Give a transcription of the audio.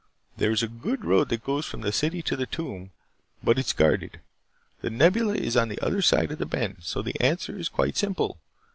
There is a good road that goes from the city to the tomb, but it is guarded. The Nebula is on the other side of the bend. So the answer is quite simple.